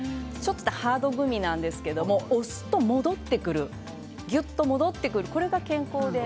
ハードグミなんですけど押すと戻ってくるぎゅっと戻ってくるこれが健康。